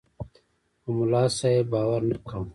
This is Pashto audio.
په ملاصاحب باور نه کاوه.